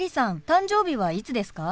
誕生日はいつですか？